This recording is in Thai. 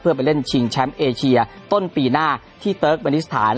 เพื่อไปเล่นชิงแชมป์เอเชียต้นปีหน้าที่เติร์กเมนิสถาน